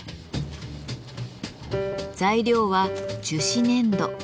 材料は樹脂粘土。